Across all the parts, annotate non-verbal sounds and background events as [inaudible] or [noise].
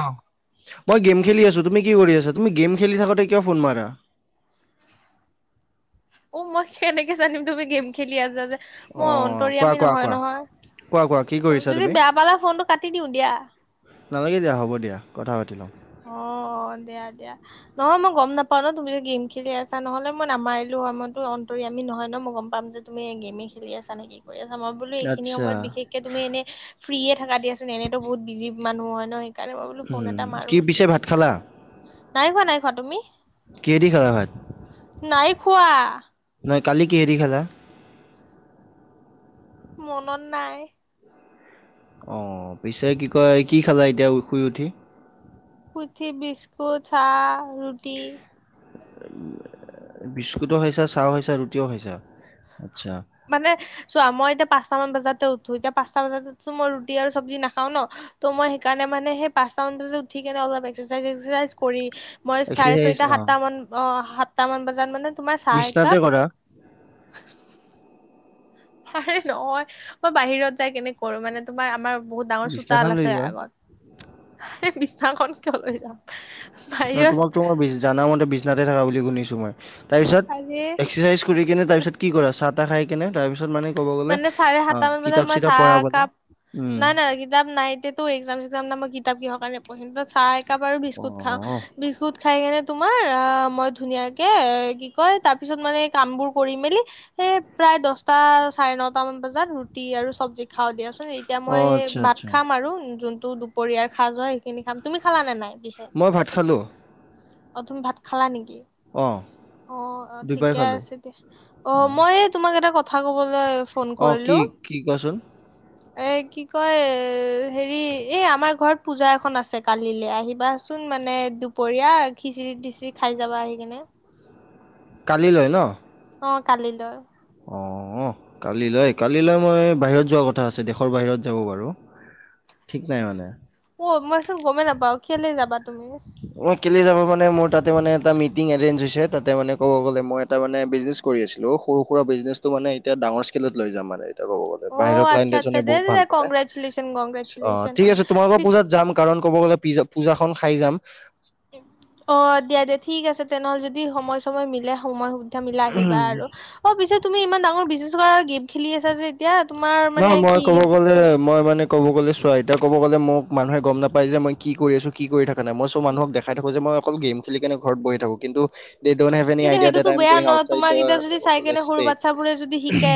অ', মই গেম খেলি আছো তুমি কি কৰি আছ তুমি গেম খেলি থাকোঁতে কিয় ফোন মাৰা। অ মই কেনেকে জানিম তুমি গেম খেলি আছা যে মই অ', অন্তৰ কোৱা আমি কোৱা নহয় কোৱা, নহয়। কোৱা কোৱা? কি কৰিছা যদি তুমি? বেয়া পালে ফোনটো কাটি দিওঁ দিয়া। নালাগে দিয়া হ'ব দিয়া কথা পাতি ল'ম। অ দিয়া দিয়া। নহয় মই গম নাপাও ন তুমি যদি গেম খেলি আছা নহ'লে মই নামাৰিলো সময়তো অন্তৰি আমি নহয় ন মই গম পাম যে- তুমি গেমে খেলি আছ নে কি কৰি আছা মই বোলো এইখিনি আচ্ছা, সময়ত বিশেষ- তুমি এনে ফ্ৰিয়ে থাকা দিয়াচোন এনেতো বহুত বিজি মানুহ হয় ন। সেইকাৰণে মই বোলো ফোন উম, এটা কি মাৰো পিছে ভাত খালা? নাই খোৱা নাই খোৱা, তুমি? কিহেদি খালা ভাত? নাই খোৱা। নহয় কালি কিহে দি খালা? মনত নাই। অ পিছে কি কয় কি খালা এতিয়া শুই উঠি? শুই উঠি বিস্কুট চাহ ৰুটি। বিস্কুটো খাইছা চাহ খাইছা ৰুটিও খাইছা আচ্ছা। মানে চোৱা মই এতিয়া পাঁচটা মান বজাতে উঠো এতিয়া পাঁচটা বজাত মই ৰুটি আৰু চবজি নাখাও ন। ত মই সেইকাৰণে মানে পাঁচতা বজাতে উঠি কেনে অলপ একচাইছ কৰি- মই চাৰে এক্সাৰচাইজ ছয়টা অ', সাতটা মান অ সাতটা মান বজাত মানে তোমাৰ চাহ বিচনাতে একাপ- কৰা, আৰে নহয় মই বাহিৰত যাই কেনেক কৰো মানে- তোমাৰ আমাৰ বহুত ডাঙৰ বিচনাখন চোতাল লৈ আছে যোৱা। আগত, সেই বিছনাখন কিয় লৈ যাম। ন বাহিৰত তোমাক তো মই জানা মতে বিছনাতে থাকা বুলি শুনিছো মই। তাৰপিছত, আৰে এক্সাৰচাইজ কৰি কেনে তাৰপিছত কি কৰা চাহ তাহ খাই কেনে তাৰ পিছত মানে- ক'ব গ'লে মানে চাৰে অ সাতটা মান কিতাপ বজাত মই চিতাপ চাহ পঢ়া মানে একাপ- উম নাই নাই কিতাপ নাইতিয়া তো এক্সাম চসাম নাই মই কিতাপ কিহৰ কাৰণে পঢ়িম ত চাহ একাপ আৰু অ বিস্কুট খাও। বিস্কুট খাই। সেইকাৰে তোমাৰ আহ মই ধুনীয়াকে কি কয় তাৰ পিছত মানে কাম বোৰ কৰি মেলি। এ প্ৰায় দহটা চাৰে নটামান বজাত ৰুটি আৰু চব্জি খাওঁ দিয়াচোন এতিয়া অ মই সেই আচ্ছা ভাত আচ্ছা খাম আৰু যোনটো পৰিয়াৰ খাজ হয়, যোৱা সেইখিনি খাম তুমি খালানে নাই? মই ভাত খালো। অ তুমি ভাত খালা নেকি? অ অৱ দুপৰীয়া ঠিকে খালো আছে দে। অ মই এই তোমাক এটা কথা ক'বলৈ ফোন অ কি কৰিলোঁ। কি কোৱাচোন এ কি কয় হেৰি এই আমাৰ ঘৰত পূজা এখন আছে কালিলৈ আহিবা চোন। চোন মানে দুপৰীয়া খিচিৰি টিচিৰি খাই যাবা আহি কিনে। কালিলৈ ন। অৱ কালিলৈ। অৱ কালিলৈ, কালিলৈ মই বাহিৰত যোৱাৰ কথা আছে দেশৰ বাহিৰত যাব পাৰোঁ। ঠিক নাই মানে। অ মইচোন গমেই নাপাও কেলে যাবা তুমি? মই কেলে যাব পৰা নাই, মোৰ তাতে মানে এটা মিটিং এৰেচ্ছ হৈছে তাতে মানে ক'ব গ'লে মই তাৰমানে বিজনেচ কৰি আছিলো সৰু সুৰা বিজনেছো মানে এতিয়া ডাঙৰ স্কেলত লৈ যাম মানে। অ বাহিৰৰ আচ্ছা আচ্ছা ক্লাইটচে দে বহুত দে দে ভাল পায়। কংগ্ৰেচুলেশ্যন অৱ কংগ্ৰেচুলেশ্যন ঠিক আছে তোমাৰ পৰা পিছ পূজাত যাম। কাৰণ ক'ব গ'লে পজা পূজাখন খাই যাম। অ দিয়া দিয়া ঠিক আছে, তেনেহলে যদি সময় চয় মিলে সময় পিঠা মিলা আহিবা আৰু অ পিছে তুমি ইমান ডাঙৰ বিগনেছ কৰা গেম খেলি আছা যে এতিয়া তোমাৰ নহ মানে মই কি ক'ব গ'লে মই মানে ক'ব গ'লে চোৱা এতিয়া ক'ব গলে মানুহে গম নাপায় যে মই কি কৰি আছো কি কৰি থকা নাই মই চ' মানুহক দেখাই থাকো যে মই অকল গেম খেলি কেনে ঘৰত বহি থাকো। কিন্তু দে ড'ন্ট হেভ এনি কিন্তু আইডিয়া দেট সেইটোতো আই এম বেয়া গ'য়িং নহ আউটচাইড তোমাক দা এতিয়া যদি ক'ব চাই গ'লে কেনে সৰু ষ্টেট। বাচ্ছ বোৰে যদি শিকে।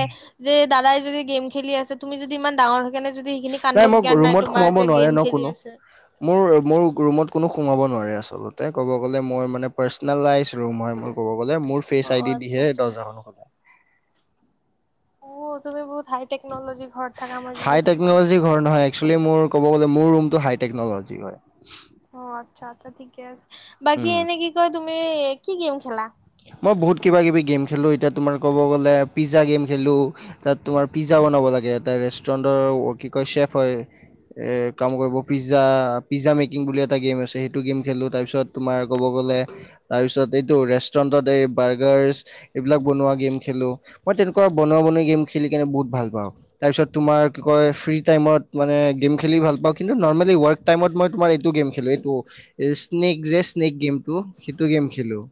যে দাদাই যদি গেম খেলি আছে তুমি যদি ইমান ডাঙৰ সেইকাৰণে যদি সেইখিনি নাই কাণ্ড মোক জ্ঞান নাই ৰুমত তোমাৰ সোমাব যে নোৱাৰে গেম ন খেলি কোনো। আছে। মোৰ মোৰ ৰুমত কোনো সোমাব নোৱাৰে আচলতে ক'ব গলে মই মে পাৰ্চনেলাইজ ৰুম হয়। ক'ব গ'লে মোৰ অ ফেচ আই ডি আচ্ছা দিহে আচ্ছা দহ হাজা মান সোমাব। অ তুমি বহুত হাইটেকনলজিৰ ঘৰত থাকা মই যি হাই দেখিছো। টেকনলজি ঘৰ নহয় একচলী মোৰ কব গ'লে মোৰ ৰুমটো হাই টেকনলজি হয়। অ আচ্ছা আচ্ছা ঠিকে আছে, বাকী উম এনে কি কয় তুমি কি গেম খেলা। মই বহুত কিবা কিবি গেম খেলো এতিয়া তোমাৰ ক'ব গ'লে পিজ্জা গেম খেলো। তাত তোমাৰ পিজ্জা বনাব লাগে ত ৰেষ্টুৰেণ্টৰ কি কয় চ্বেফ হয়। এ কাম কৰিব পিজ্জা পিজ্জা মেকিং বুলি এটা গেম আছে সেইটো গেম খেলো তাৰ পিছত। তোমাৰ ক'ব গ'লে তাৰ পিছত এইটো ৰেষ্টুৰেন্টত এই বাৰ্গাৰছ। এইবিলাক বনোৱা গেম খেলো মই তেনেকুৱা বনোৱা বনোৱি গেম খেলি কেনে বহুত ভাল পাওঁ। তাৰপিছত তোমাৰ কি কয় ফ্ৰী টাইমত মানে গেম খেলি ভাল পাওঁ কিন্তু নৰ্মেলি ৱৰ্ক। টাইমত মই তোমাৰ এইটো গেম খেলো এইটো স্নেক যে স্নেক গেমটো সেইটো গেম খেলো।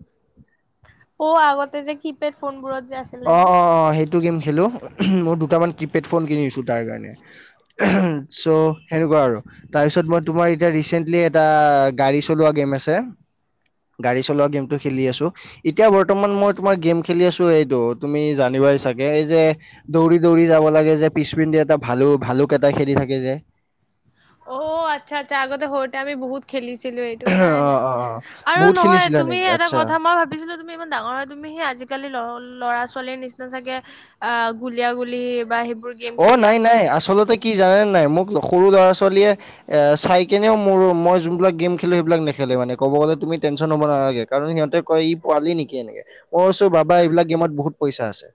অ আগতে যে কি। কিপেড ফোনবোৰত। যে অৱ আছিলে অৱ যে অৱ সেইটো গেম খেলো মোৰ দুটামান কিপেড ফোন কিনিছো। টাৰ কাৰণে চ'। সেনেকুৱা আৰু তাৰপিছত মই তোমাৰ এতিয়া ৰিচেন্টলি এটা গাড়ী চলোৱা গেম আছে। গাড়ী চলোৱা গেমটো খেলি আছো এতিয়া বৰ্তমান মই তোমাৰ গেম খেলি আছো এইটো তুমি জানিবাই চাগে এই যে দৌৰি দৌৰি যাব লাগে যে পিছপিনন্ধি এটা ভাল ভালুক এটা খেলি থাকে যে। অ আচ্ছা আচ্ছা আগতে সৰুতে আমি বহুত খেলিছিলো এই নাই অ নাই অ অ আৰু বহুত নহয় খেলিছিলা তুমি নেকি এটা আচ্ছা কথা মই ভাবিছিলোঁ - তুমি ইমান ডাঙৰ হয় তুমি সেই আজিকালি ল ল'ৰা ছোৱালীৰ নিচিনা চাগে। অ গুলিয়াগুলি বা সেইবোৰ গেম খেলি আছে চাগে সেইকাৰণে। সি জানেনে নাই মোক সৰু ল'ৰা ছোৱালীয়ে। এ চাই কেনেও মোৰো মই যোন বিলাক গেম খেলো সেইবিলাক নেখেলো মানে কব গলে তুমি টেনশচন লৱ নালাগে। কাৰণ সিহঁতে কয় ই পোৱালি নেকি এনেকে। কইছো বাবা এইবিলাক গেমত বহুত পইচা আছে।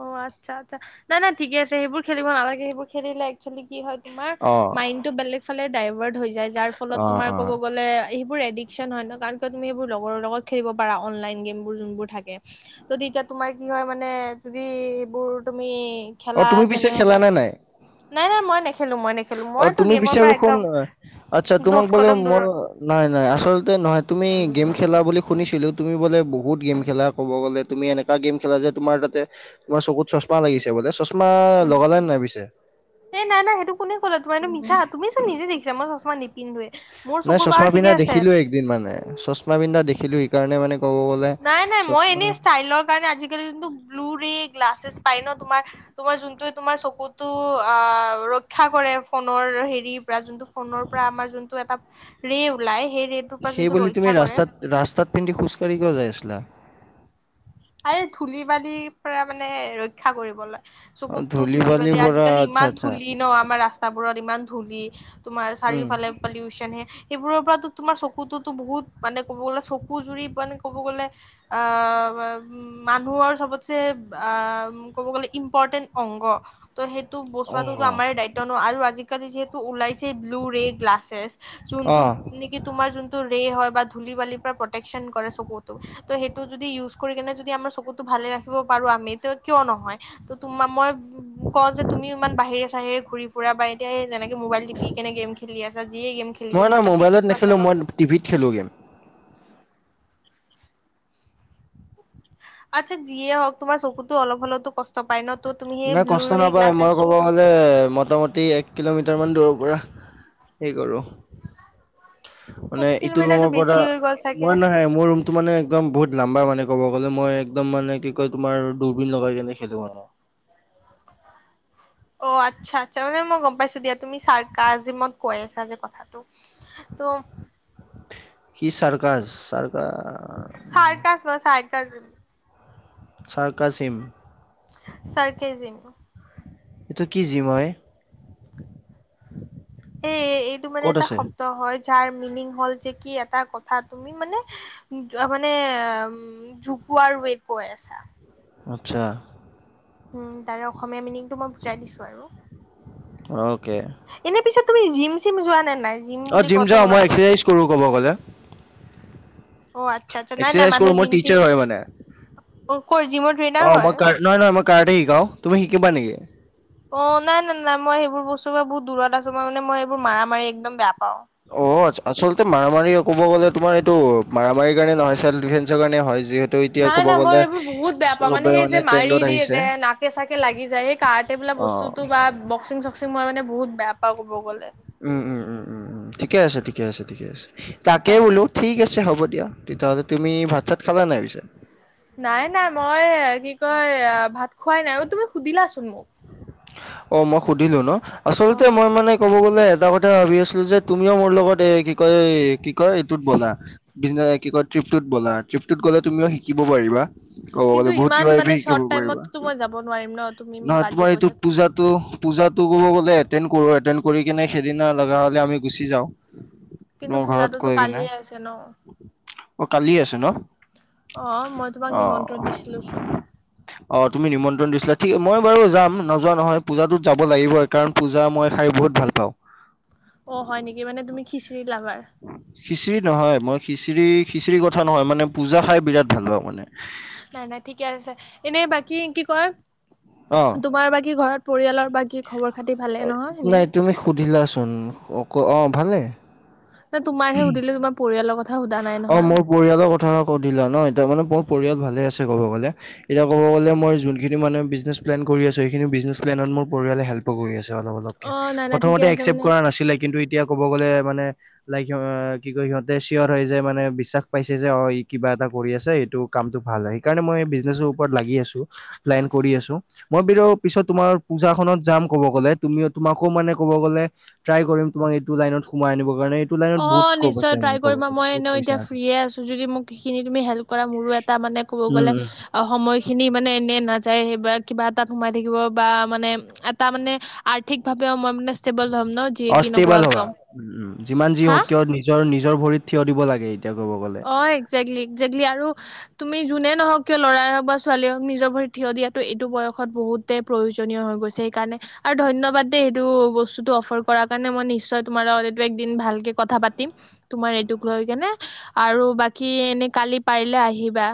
অ আচ্ছা আচ্ছা নাই নাই ঠিকে আছে সেইবোৰ খেলিব নালাগে সেইবোৰ খেলিলে একচলী কি হয়। তোমাৰ অ মাইন তোৱ বেলেগফালে ডায়ভদ হয় যায় যাৰ ফলত অ তোমাৰ অ ক'ব গ'লে - সেইবোৰ এডিকশ্ন হয় ন কাৰণ কিয় তুমি সেইবোৰ লগৰৰ লগত খেলিব পাৰা অনলাইন গেমবোৰ যোনবোৰ থাকে। ত তেতিয়া তোমাৰ কি হয় মানে যদি এইবোৰ তুমি। অ খেলা তুমি পিছে তেনেহলে খেলা নে নাই নাই নাই মই নেখেলো মই নেখেলো। অ মইতো তুমি গেমৰ পচাৰ পৰা দেখোন একদম আচ্ছা তোমাক দহ বোলে কদম মই। দূৰত নাই নাই আচলতে নহয় তুমি গেম খেলা বুলি শুনিছিলোঁ তুমি বোলে বহুত গেম খেলা ক'ব গ'লে তুমি এনে। গেম খেলা যে তোমাৰ তাতে তোমাৰ চকুত চশমা লাগিছে বোলে চশমা লগালে নে নাই পিছে। এ নাই নাই সেইটো কোনে ক'লে তোমাৰ এইো মিছা তুমি চোন নিজে দেখিছা মই চশমা নিপিন্ধুৱে। নাই চশমা পিন্ধা দেখিলো একদিন মানে চশমা পিন্ধা দেখিলো সেইকাৰণে মানে কব। গ'লে নাই নাই মই চশমা এনেই ষ্টাইলৰ কাৰণে আজিকালি যোনটো ব্লু ৰে গ্লাছেছ পাই ন তোমাৰ। তোমাৰ যোনটো তোমাৰ চকুতো আ ৰক্ষা কৰে ফোনৰ হেৰিৰ পৰা যোনটো। ফোনৰ পৰা আমাৰ যোনটো এটা ৰে ওলাই সেই ৰে'টোৰ পৰা সেই যোনটো বুলি তুমি ৰক্ষা কৰে। ৰাস্তাত ৰাস্তাত পিন্ধি খোজকাঢ়ি কিয় যাই আছিলা? এই ধূলি বালিৰ পৰা মানে ৰক্ষা কৰিবলৈ। অঁ, চকুতো ধূলি বালিৰ বালি পৰা আজিকালি আচ্ছা ইমান আচ্ছা ধূলি ন আমাৰ ৰাস্তা। ৰাস্তাবোৰত ইমান ধূলি তোমাৰ উম, চাৰিওফালে পলিউচন হে। সেইবোৰৰ পৰা তোমাৰ চকুতোতো বহুত মানে ক'ব গলে চকু জুৰি মানে কব গ'লে। অ। উ মানুহৰ চবতছে আ ক'ব গ'লে ইম্পৰটেন্ট অংগ। ত' সেইটো অংগ বচোৱাতটো আমাৰ দায়িত্ব ন আৰু আজি। আজিকালি যিহেতু ওলাইছে ব্লু ৰে গ্লাছেছ যোনটো অঁ নেকি। তোমাৰ জোনতু ৰেই হয় বা ধূলি বালি পৰা পতেকচত কৰে চকু টো ত‌‌ সেইটো যদি ইউজ কৰি কেনে যদি - যদি আমাৰ চকুতটো ভালে ৰাখিব পাৰো আমি কিয় নহয় ত তোম মই। মোক কওঁ যে তুমি ইমান বাহিৰে চাহিৰে ঘূৰি ফুৰা বা এতিয়া এই যেনেকে। মোবাইল টিপি কেনে গেম খেলি আছা যিয়ে গেম খেলি মই না আছা বাট মোবাইলত টিপিটো আছা নেখেলো না মই টিভিত খেলো গেম আচ্ছা যিয়ে হওক তোমাৰ চকুতো অলপ হলেতো কষ্ট পায় ন ত তুমি সেই ব্লু গ্লাছেছটো কে মোটামুটি এক কিলোমিটাৰমান দূৰৰ পৰা হে কৰোঁ মানে এক ইটো কিলোমিটাৰটো ৰুমৰ পৰা বেছি হৈ গ'ল চাগে মই নহয় মোৰ ৰুমটো মানে একদম বহুত লাম্বা মানে ক'ব গ'লে মই একদম মানে কি কয় তোমাৰ দূৰবিন লগাই কেনে খেলো আৰো অ আচ্ছা আচ্ছা মানে মই গম পাইছো দিয়া তুমি চাৰ্ কাজিমত কৈ আছা যে কথাটো তো কি চাৰ্কাছ চাৰ্কাছ চাৰ্কাছ নহয় চাইৰ্কাছ চাৰকাজিম চাৰকেজিম এইটো কি জিম হয়? এ-এইটো মানে ক'ত এটা আছে শব্দ হয়। যাৰ মিনিং হল যে কি এটা কথা তুমি মানে মানে জোকোৱাৰ ৱেত কৈ আছা। আচ্ছা। উম, তাৰে অসমীয়া মিনিংটো মই বুজাই দিছো আৰু। অকে। এনে পিছে তুমি জিম চিম যোৱা নে না অ', জিম যাও, মই এক্সাৰচাইজ কৰো ক'ব গ'লে। অ', আচ্ছা আচ্ছা, নাই নাই এক্সাৰচাইজ মানুহ কৰোঁ মোৰ জিম চিম, টিচাৰ হয় মানে অ', কৰ জিমৰ ট্ৰেইনাৰ অঁ মই হয়। কাৰ নহয় নহয় মই কাৰাটে শিকাওঁ। তুমি শিকিবা নেকি? অ', নাই নাই নাই, মই সেই বোৰ বস্তু বহুত দূৰত আছো মানে মই এইবোৰ মাৰা মাৰি একদম বেয়া পাও। অ', আচলতে মাৰামাৰী ক'ব গ'লে তোমাৰ এইটো মাৰামাৰীৰ কাৰণে নহয়, চেলফ দিফেনচ [unintelligible] কাৰণে হয় যিহে নাই নাই মই সেইবোৰ বহুত বেয়া পাওঁ মানে সেই যে মাৰি ট্ৰেণ্ডত দিয়ে আহিছে যে, নাকে চাকে লাগি যায় সেই কাৰাটে বোলা অঁ বস্তু বা বক্সিং চক্সিং মই মানে বহুত বেয়া পাও ক'ব গ'লে। উম উম উম, ঠিকে আছে, ঠিকে আছে, ঠিকে আছে, তাকেই সেইকাৰণে বোলো ঠিক আছে হ'ব দিয়া। তেতিয়াহ'লে তুমি ভাত চাত খালা নাই পিছে? নাই নাই মই কি কয় ভাত খোৱাই নাই, অ', তুমি সুধিলাচোন মোক। অ', মই সুধিলো ন, অ আচলতে মই মানে ক'ব গলে এটা কথা ভাবি আছিলো যে তুমিও মোৰ লগত এ কি কয় কয় এইটোত ব'লা, কি কয় ট্ৰিপতোত বলা, ট্ৰিপটোত গ'লে তুমিও শিকিব পাৰিবা। ক'ব কিন্তু গলে বহুত ইমান কিবা কিবি মানে শিকিব শৰ্ট পাৰিবা, টাইমতো মই যাব নোৱাৰিম ন তুমি মোক নহয় আজি তোমাৰ এইটো কৈছা কালি পুজাটো কব গলে এটেন কৰো, এটেন কৰি কিনে সেইদিনা লগা হলে আমি গুচি যাওঁ। কিন্তু মোৰ ঘৰত পূজাতোতো কৈ কিনে, কালিয়ে আছে ন অ', কালি আছে ন? অ', মই তোমাক অ। নিমন্ত্ৰণ দিছিলোচোন। অ', তুমি নিমন্ত্ৰণ দিছিলা, ঠিক মই বাৰু যাম নোযোৱা নহয় পূজাতোত যাব লাগিবই কাৰণ পূজা মই খাই বহুত ভাল পাওঁ। অ', হয় নেকি, মানে তুমি খিচিৰি লাভাৰ। খিচিৰি নহয়, মই খিচিৰি-খিচিৰি কথা নহয় মানে পূজা খাই বিৰাট ভাল পাওঁ মানে। নাই নাই ঠিকে আছে, এনে বাকী কি কয় অ তোমাৰ বাকী ঘৰত পৰিয়ালৰ বাকী খবৰ খাতি ভালে নহয় এনে? নাই তুমি সুধিলাচোন, অক অ', ভালে। [unintelligible] তোমাৰহে সুধিলো, তোমাৰ পৰিয়ালৰ কথা সোধা নাই অ নহয়। মোৰ পৰিয়ালৰ কথা আকৌ কৈদিলা ন', এয়া মানে মোৰ পৰিয়াল ভালে আছে ক'ব গ'লে। এতিয়া কব গলে মই যোনখিনি মানে বিজনেছ প্লেন কৰি আছো, সেইখিনি বিজনেছ প্লেনত মোৰ পৰিয়ালে হেল্প [unintelligible] অলপ অলপকে, অ' নাই নাই ঠিকে প্ৰথমতে আছে একচেপ মানে কৰা নাছিলে কিন্তু এতিয়া ক'ব গ'লে মানে লাইক, কি কয় সিহতে [unintelligible] মানে বিশ্বাস পাইছে যে অ', ই কিবা এটা কৰি আছে এইটো কামটো ভাল হয়, সেইকাৰণে মই বিজনেছো ওপৰত লাগি আছো, লাইন কৰি আছো। মই [unintelligible] পিছত তোমাৰ পূজাখনত যাম কব গ'লে, তুমি তোমাকো মানে ক'ব গ'লে ট্ৰাই কৰিম তোমাক এইটো লাইনত সোমাই আনিব কাৰণে, এইটো লাইনত বহুত অ' স্কপ নিশ্চয় আছে ট্ৰাই মানে ক'ব কৰিবা গ'লে মই বহুত এনে পইচা এতিয়া আছে। ফ্ৰিয়ে আছোঁ যদি মোক সেইখিনি তুমি হেল্প কৰা মোৰো এটা মানে ক'ব উম, গ'লে উম। অ', সময় খিনি মানে এনেই নাযায় সেইব কিবা এটাত সোমাই থাকিব বা মানে তাৰ মানে আৰ্থিকভাৱেও মই মানে ষ্টেবল হ'ম ন যিয়ে কি নকোৱা অষ্টেবল হ'বা। ক উম, উম, যিমান যি হওক কিয় নিজৰ-নিজৰ ভৰিত থিয় দিব লাগে এতিয়া ক'ব গ'লে। হয় একজেক্টলি - একজেক্টলি আৰু তুমি যোনে নহওক কিয় লৰাই হওক বা ছোৱালীয়ে হওক নিজৰ ভৰিত থিয় দিয়াটো এইটো বয়সত বহুত তে প্ৰয়োজনীয় হৈ গৈছে সেইকাৰণে আৰু ধন্যবাদ দেই সেইটো বস্তুটো অফাৰ কৰাৰ কাৰণে মই নিশ্চয় তোমাৰ লগত এইটো একদিন ভালকে কথা পাতিম তোমাৰ এইটোক লৈ কেনে আৰু বাকী এনে কালি পাৰিলে আহিবা।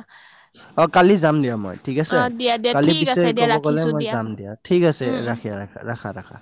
অ কালি যাম দিয়া মই। ঠিক অ আছে, দিয়া দিয়া কালি ঠিক পিছে আছে দিয়া ক'ব গ'লে ৰাখিছো মই যাম দিয়া ঠিক আছে, উম উম ৰাখি ৰাখা ৰাখা ৰাখা ৰাখা।